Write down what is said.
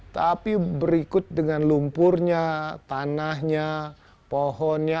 tapi berikut dengan lumpurnya tanahnya dan airnya